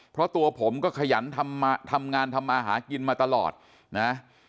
เพราะตัวผมก็ขยันทำงานทำมาหากินมาตลอดนะ